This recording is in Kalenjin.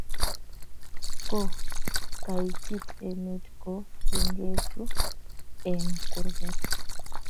Ko kaitit emet ko ingetu eng kurgat